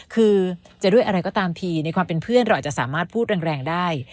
คือจะด้วยอะไรก็ตามทีในความเป็นเพื่อนเราอาจจะสามารถพูดแรงได้